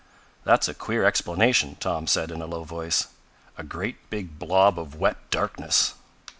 "That's a queer explanation," Tom said in a low voice. "A great big blob of wet darkness!"